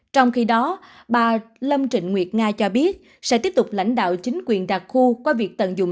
trong khi đó bà lâm trịnh nguyệt nga cho biết sẽ tiếp tục lãnh đạo chính quyền đặc khu qua việc tận dụng